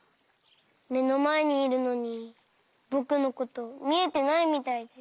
めのまえにいるのにぼくのことみえてないみたいで。